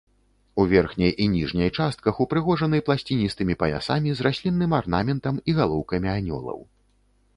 У верхняй і ніжняй частках упрыгожаны пласціністымі паясамі з раслінным арнаментам і галоўкамі анёлаў.